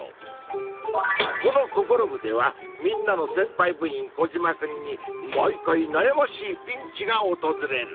この「ココロ部！」ではみんなのせんぱい部員コジマくんに毎回なやましいピンチがおとずれる。